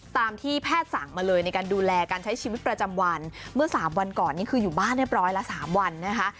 ตามที่แพทย์สั่งมาเลยในการดูแลการใช้ชีวิตประจำวันเมื่อสามวันก่อนนี่คืออยู่บ้านเรียบร้อยละ๓วันนะคะ